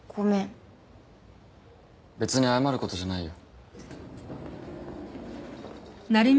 別に謝ることじゃないよ。